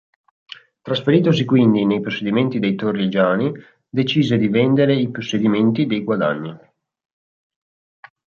Trasferitosi quindi nei possedimenti dei Torrigiani decise di vendere i possedimenti dei Guadagni.